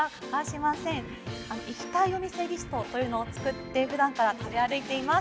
行きたいお店リストというのを作ってふだんから食べ歩いています。